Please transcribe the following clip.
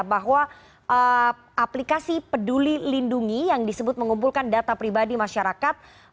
bahwa aplikasi peduli lindungi yang disebut mengumpulkan data pribadi masyarakat